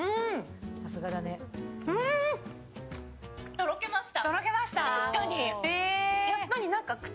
とろけました！